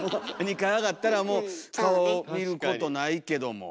２階上がったらもう顔見ることないけども。